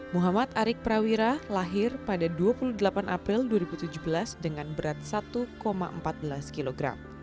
muhammad arik prawira lahir pada dua puluh delapan april dua ribu tujuh belas dengan berat satu empat belas kg